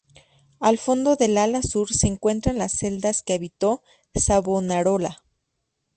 Al fondo del ala sur se encuentran las celdas que habitó Savonarola.